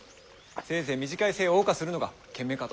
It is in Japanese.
せいぜい短い生を謳歌するのが賢明かと。